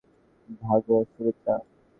ভাগো, সুমিত্রা।